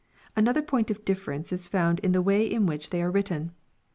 Another point of difference is found in the way in which they are written.